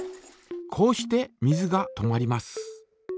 こうして水が止まります。